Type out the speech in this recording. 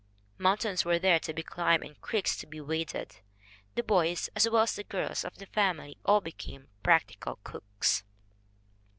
Mountains were there to be climbed and creeks to be waded. "The boys as well as the girls of the family all became practical cooks."